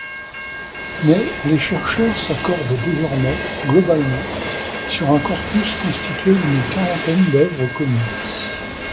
Mais les chercheurs s'accordent désormais, globalement, sur un corpus constitué d'une quarantaine d’œuvres connues.